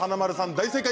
大正解